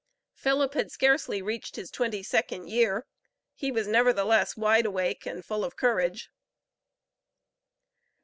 Philip had scarcely reached his twenty second year; he was nevertheless wide awake and full of courage.